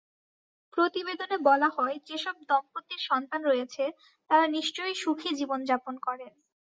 প্রতিবেদনে বলা হয়, যেসব দম্পতির সন্তান রয়েছে, তাঁরা নিশ্চয়ই সুখী জীবন যাপন করেন।